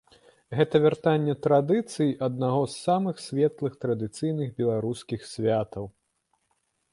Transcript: Гэта вяртанне традыцый аднаго з самых светлых традыцыйных беларускіх святаў.